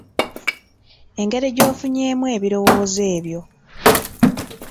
Engeri gy'ofunyeemu ebirowoozo byo.